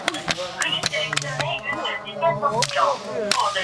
Mə ghʉ̌ ngǔ’ ncobtαn ŋammbαhα. Ndὰb mαm bə α̂ Ngǒnncò.